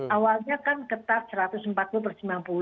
awalnya kan ketat satu ratus empat puluh per sembilan puluh